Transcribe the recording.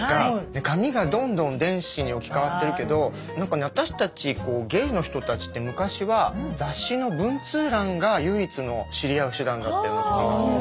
紙がどんどん電子に置き換わってるけど私たちゲイの人たちって昔は雑誌の文通欄が唯一の知り合う手段だったような時があって。